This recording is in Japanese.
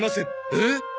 えっ！